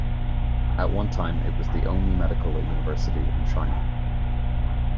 At one time it was the only medical university in China.